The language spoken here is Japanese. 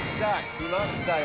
きましたよ。